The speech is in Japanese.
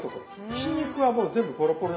ひき肉はもう全部ポロポロ。